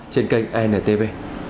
trên kênh antv